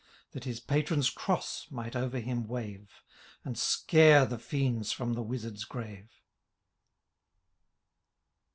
That his patron^s cross might over him wave. And scare the fiends from the Wizard's grave.